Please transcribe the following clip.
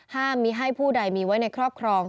ห้ามมีให้ผู้ใดมีไว้ในครอบครอง